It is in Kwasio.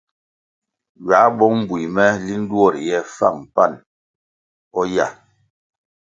Ywā bong bui me linʼ duo riye fáng pani o yah.